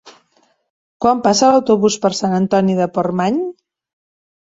Quan passa l'autobús per Sant Antoni de Portmany?